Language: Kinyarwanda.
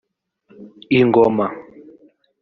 ‘‘Ingoma’’